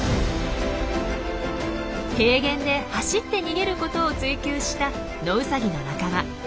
平原で走って逃げることを追求したノウサギの仲間。